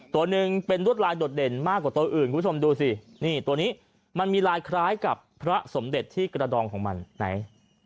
ตัวหนึ่งเป็นรวดลายโดดเด่นมากกว่าตัวอื่นคุณผู้ชมดูสินี่ตัวนี้มันมีลายคล้ายกับพระสมเด็จที่กระดองของมันไหน